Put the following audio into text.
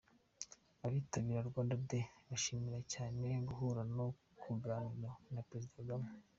Abitabira Rwanda Day bishimira cyane guhura no kuganira na Perezida Kagame.